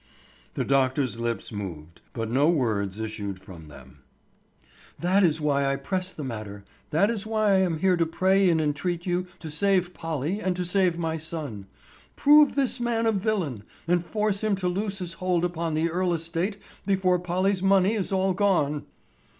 The doctor's lips moved, but no words issued from them. "That is why I press the matter; that is why I am here to pray and entreat you to save Polly and to save my son. Prove this man a villain, and force him to loose his hold upon the Earle estate before Polly's money is all gone!"